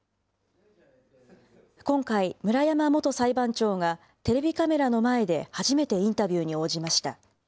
今回、村山元裁判長がテレビカメラの前で初めてインタビューに応じました。